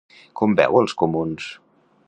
Com veu els comuns?